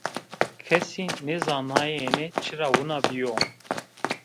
Kesî nêzanayêne çira wina bîyo